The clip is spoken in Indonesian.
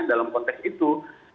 dalam konteks itu